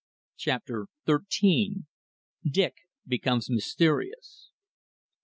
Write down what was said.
CHAPTER THIRTEEN. DICK BECOMES MYSTERIOUS.